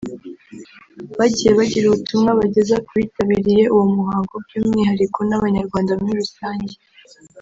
bagiye bagira ubutumwa bageza ku bitabiriye uwo muhango by’umwihariko n’abanyarwanda muri rusange